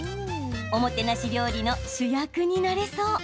おもてなし料理の主役になれそう。